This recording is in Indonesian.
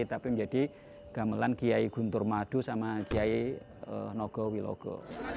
tapi menjadi gamelan kiai guntur madu sama kiai nogo wilogo